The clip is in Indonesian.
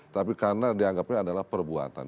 tapi karena dianggapnya adalah perbuatan